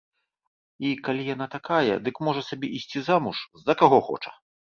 І калі яна такая, дык можа сабе ісці замуж за каго хоча.